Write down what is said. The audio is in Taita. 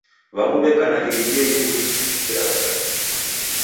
W'amu w'eka na iridia ivui jifinikiragha gambili.